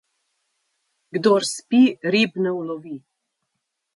Kdor spi, rib ne ulovi.